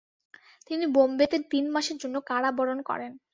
তিনি বোম্বেতে তিন মাসের জন্য কারাবরণ করেন।